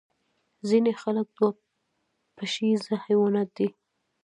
ځینې خلک دوه پښیزه حیوانات دي